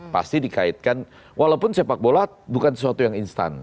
pasti dikaitkan walaupun sepak bola bukan sesuatu yang instan